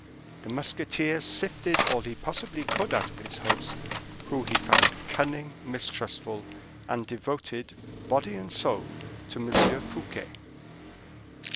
The musketeer sifted all he possibly could out of the host, who he found cunning, mistrustful, and devoted, body and soul, to M. Fouquet.